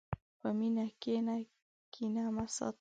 په مینه کښېنه، کینه مه ساته.